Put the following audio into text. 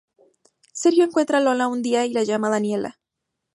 Sergio encuentra a Lola un día y la llama Daniela.